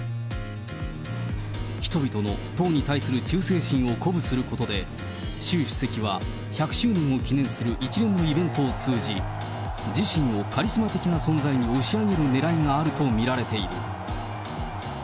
人々の党に対する忠誠心を鼓舞することで習主席は１００周年を記念する一連のイベントを通じ、自身をカリスマ的な存在に押し上げるねらいがあると見られている。